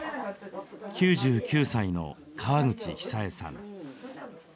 ９９歳の河口久枝さん。